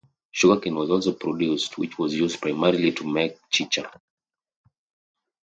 Sugar cane was also produced, which was used primarily to make chicha.